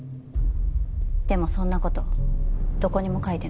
でもそんな事どこにも書いてなかった。